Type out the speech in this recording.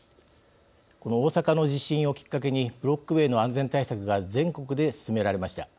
この大阪の地震をきっかけにブロック塀の安全対策が全国で進められました。